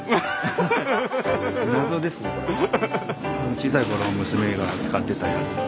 小さいころ娘が使ってたやつなので。